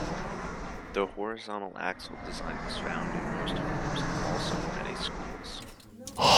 The horizontal axle design is found in most homes, and also in many schools.